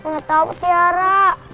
gak tahu petiara